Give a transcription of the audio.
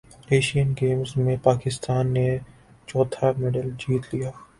Asian games میں پاکستان نے چوتھا میڈل جیت لیا